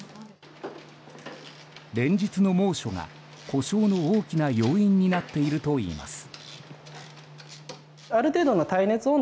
連日の猛暑が故障の大きな要因になっているといいます。